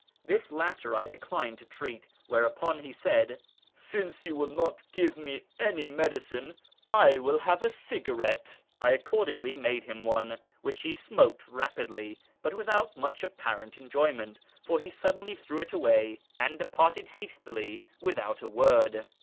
This latter I declined jto treat, whereupon he said, " Since you will not give me 'any medicine, I will have a cigarette." I accordingly made liim one, which he smoked rapidly, but without much apparent enjoyment, for he suddenly threw it away and departed hastily 352 A YEAR AMONGST THE PERSIANS without a Avord.